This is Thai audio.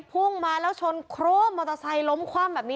พุ่งมาแล้วชนโครมมอเตอร์ไซค์ล้มคว่ำแบบนี้